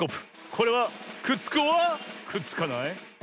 これはくっつくｏｒくっつかない？